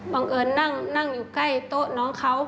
บังเอิญนั่งอยู่ใกล้โต๊ะน้องเขา